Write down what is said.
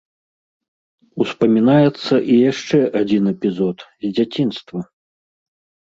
Успамінаецца і яшчэ адзін эпізод, з дзяцінства.